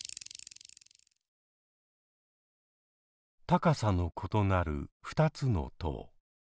高さの異なる２つの塔。